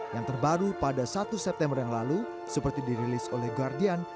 yang terbaru pada satu september yang lalu seperti dirilis oleh guardian